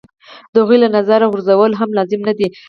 د هغوی له نظره غورځول هم لازم نه دي.